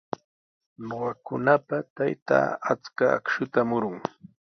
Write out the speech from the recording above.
Ñuqakunapaq taytaa achka akshuta murun.